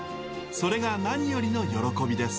それが何よりの喜びです。